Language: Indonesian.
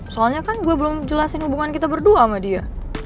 soalnya kan gue belum jelasin hubungan kita berdua sama dia